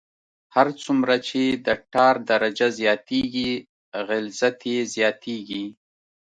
هر څومره چې د ټار درجه زیاتیږي غلظت یې زیاتیږي